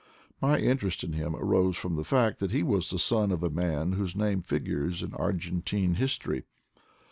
My interest in him arose from the fact that he was the son of a man whose name figures in Argen tine history.